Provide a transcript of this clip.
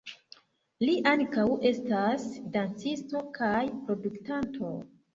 Li ankaŭ estas dancisto kaj produktanto.